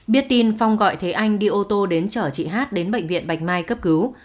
biết tin phong gọi thế anh đi ô tô đến chở chị hát đến bệnh viện bạch mai cấp cứu